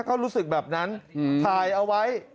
ก็รู้สึกแบบนั้นถ่ายเอาไว้